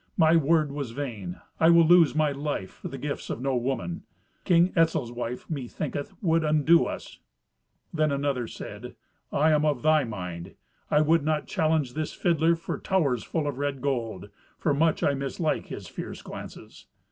My word was vain; I will lose my life for the gifts of no woman. King Etzel's wife, methinketh, would undo us." Another said, "I am of thy mind. I would not challenge this fiddler for towers full of red gold, for much I mislike his fierce glances.